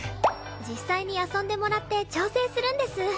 実際に遊んでもらって調整するんです。